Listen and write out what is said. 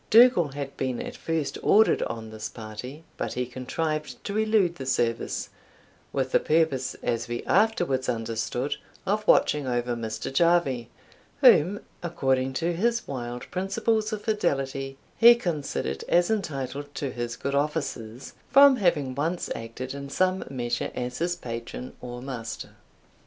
Dougal had been at first ordered on this party, but he contrived to elude the service, with the purpose, as we afterwards understood, of watching over Mr. Jarvie, whom, according to his wild principles of fidelity, he considered as entitled to his good offices, from having once acted in some measure as his patron or master.